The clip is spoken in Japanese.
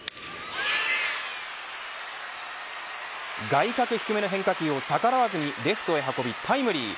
外角低めの変化球を逆らわずにレフトへ運びタイムリー